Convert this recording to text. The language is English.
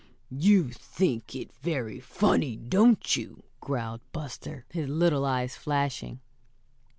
"You think it very funny, don't you?" growled Buster, his little eyes flashing.